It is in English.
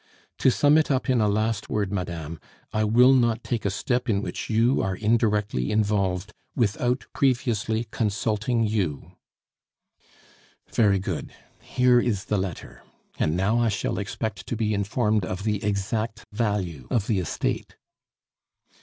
To sum it up in a last word, madame, I will not take a step in which you are indirectly involved without previously consulting you " "Very good. Here is the letter. And now I shall expect to be informed of the exact value of the estate."